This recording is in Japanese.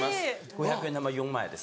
５００円玉４枚です。